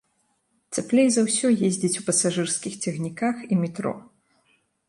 Цяплей за ўсё ездзіць у пасажырскіх цягніках і метро.